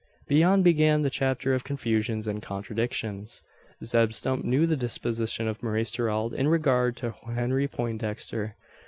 Beyond began the chapter of confusions and contradictions. Zeb Stump knew the disposition of Maurice Gerald in regard to Henry Poindexter.